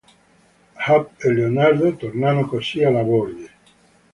Hap e Leonard tornano così a LaBorde.